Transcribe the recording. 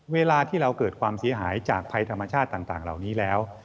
เวลาที่เราเกิดความเสียหายจากภัยธรรมชาติต่างเหล่านี้แล้ว